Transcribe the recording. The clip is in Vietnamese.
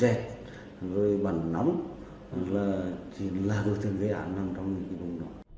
là đối tượng gây án